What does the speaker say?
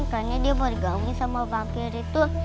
karena dia baru gabung sama vampir itu